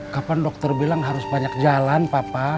kapan dokter bilang harus banyak jalan papa